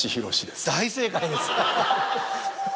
大正解です。